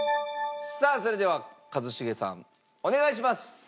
さあそれでは一茂さんお願いします！